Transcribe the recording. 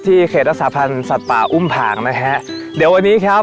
เขตรักษาพันธ์สัตว์ป่าอุ้มผางนะฮะเดี๋ยววันนี้ครับ